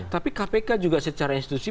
tapi kpk juga secara institusi